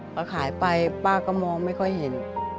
พอขายไปป้าก็มองไม่ค่อยเห็น